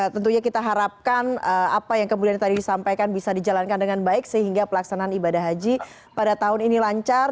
tentunya kita harapkan apa yang kemudian tadi disampaikan bisa dijalankan dengan baik sehingga pelaksanaan ibadah haji pada tahun ini lancar